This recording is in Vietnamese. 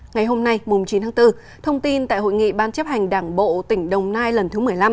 ngày hôm nay chín tháng bốn thông tin tại hội nghị ban chấp hành đảng bộ tỉnh đồng nai lần thứ một mươi năm